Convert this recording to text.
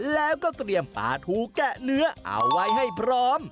แล้วก็เตรียมปลาทูแกะเนื้อเอาไว้ให้พร้อม